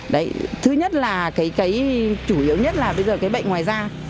đấy thứ nhất là cái chủ yếu nhất là bây giờ cái bệnh ngoài da